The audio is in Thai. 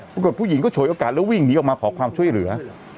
ผู้หญิงก็ฉวยโอกาสแล้ววิ่งหนีออกมาขอความช่วยเหลือ